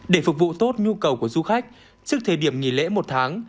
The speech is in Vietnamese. để phục vụ tốt nhu cầu của du khách trước thời điểm nghỉ lễ một tháng